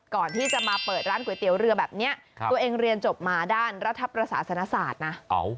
ก่อนที่จะมาเปิดร้านก๋วยเตี๋ยวเรือแบบนี้ตัวเองเรียนจบมาด้านรัฐประสาสนศาสตร์นะ